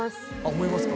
思いますか？